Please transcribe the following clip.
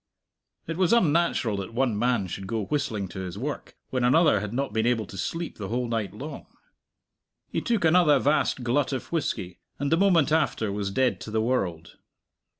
It was unnatural that one man should go whistling to his work, when another had not been able to sleep the whole night long. He took another vast glut of whisky, and the moment after was dead to the world.